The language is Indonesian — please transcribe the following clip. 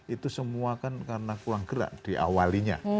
itu semua kan karena kurang gerak di awalnya